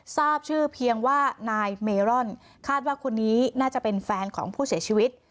ทราบชื่อเพียงว่านายเมรอนคาดว่าคนนี้น่าจะเป็นแฟนของผู้เสียชีวิต